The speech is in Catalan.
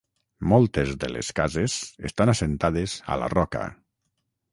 Moltes de les cases estan assentades a la roca.